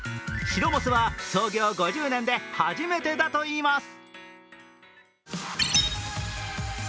白モスは創業５０年で初めてだといいます。